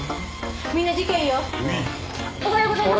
おはようございます！